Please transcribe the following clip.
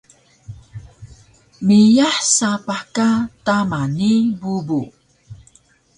Meiyah sapah ka tama ni bubu